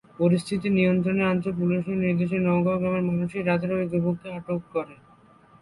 পরিস্থিতি নিয়ন্ত্রণে আনতে পুলিশের নির্দেশে নোয়াগাঁও গ্রামের মানুষই রাতেই ওই যুবককে আটক করে।